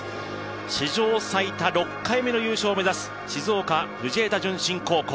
史上最多６回目の優勝を目指す静岡・藤枝順心高校。